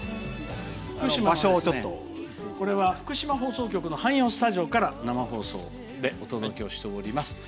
福島放送局の汎用スタジオから生放送でお届けしております。